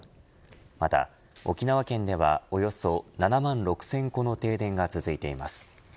また沖縄県ではおよそ７万６０００戸の停電が続いています。